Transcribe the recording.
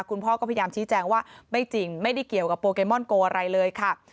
คุณพ่อก็พยายามชี้แจงว่าไม่จริงไม่ได้เกี่ยวกับโปเกมอนโกอะไรเลยค่ะ